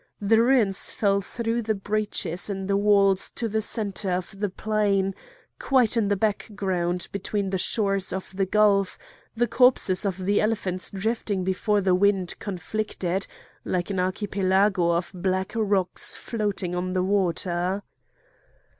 The ruins fell through the breaches in the walls to the centre of the plain; quite in the background, between the shores of the gulf, the corpses of the elephants drifting before the wind conflicted, like an archipelago of black rocks floating on the water.